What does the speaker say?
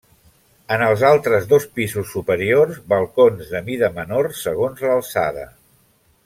En els altres dos pisos superiors, balcons de mida menor segons l'alçada.